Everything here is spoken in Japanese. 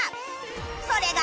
それが